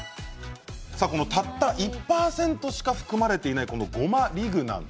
たった１％程しか含まれていないゴマリグナン。